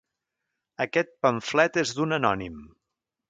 Aquest pamflet és d'un anònim.